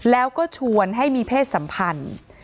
แล้วก็ชวนให้มีเพศสัมพันธ์